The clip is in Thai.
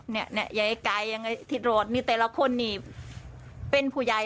อย่างไอ้ไกยอย่างไอ้ทิศโรศนี่แต่ละคนนี่เป็นผู้ใหญ่